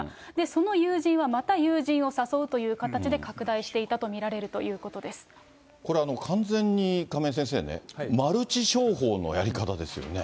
その友人はまた友人を誘うという形で拡大していたと見られるといこれ、完全に亀井先生ね、マルチ商法のやり方ですよね。